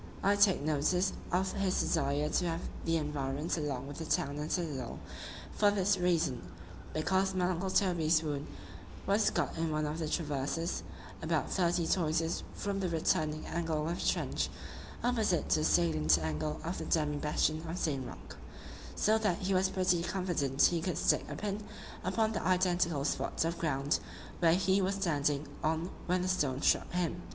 —I take notice of his desire to have the environs along with the town and citadel, for this reason,—because my uncle Toby's wound was got in one of the traverses, about thirty toises from the returning angle of the trench, opposite to the salient angle of the demi bastion of St. Roch:——so that he was pretty confident he could stick a pin upon the identical spot of ground where he was standing on when the stone struck him.